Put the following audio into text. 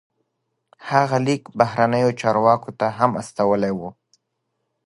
هغه لیک بهرنیو چارواکو ته هم استولی و.